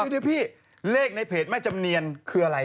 เดี๋ยวพี่เลขในเพจแม่จำเนียนคืออะไร